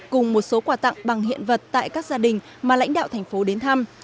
cùng một số quà tặng bằng hiện vật tại các gia đình mà lãnh đạo tp hcm đến thăm